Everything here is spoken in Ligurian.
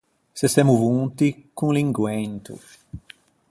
Se semmo vonti con l’inguento.